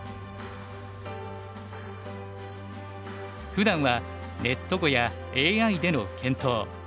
ふだんはネット碁やＡＩでの検討